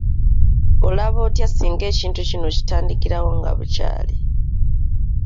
Olaba otya singa ekintu kino okitandikirawo nga bukyali?